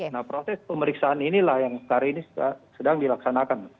nah proses pemeriksaan inilah yang sekarang ini sedang dilaksanakan